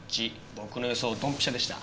僕の予想ドンピシャでした。